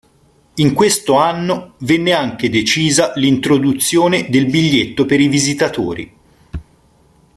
In questo anno venne anche decisa l'introduzione del biglietto per i visitatori.